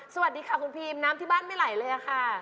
สวัสดีค่ะคุณพีมน้ำที่บ้านไม่ไหลเลยค่ะ